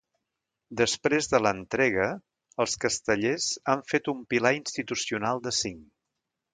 Després de l’entrega, els castellers han fet un pilar institucional de cinc.